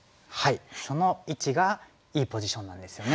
その位置がいいポジションなんですよね。